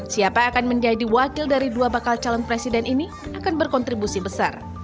siapa yang akan menjadi wakil dari dua bakal calon presiden ini akan berkontribusi besar